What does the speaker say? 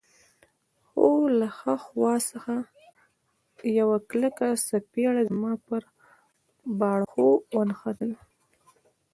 خو له ها خوا څخه یوه کلکه څپېړه زما پر باړخو ونښتله.